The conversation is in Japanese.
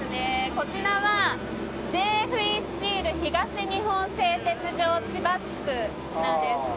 こちらはＪＦＥスチール東日本製鉄所千葉地区なんですね。